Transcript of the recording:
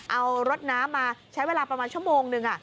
เอารถน้ำมาใช้เวลาประมาณชั่วโมงนึง